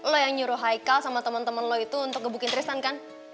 lo yang nyuruh haikal sama temen temen lo itu untuk gebukin tristan kan